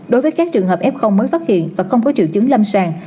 đối với các trường hợp f mới phát hiện và không có triệu chứng lâm sàng